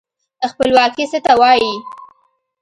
خپلواکي څه ته وايي؟